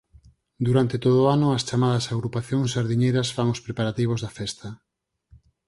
Durante todo o ano as chamadas "agrupacións sardiñeiras" fan os preparativos da festa.